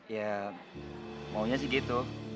ya maunya sih gitu